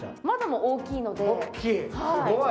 窓も大きいので。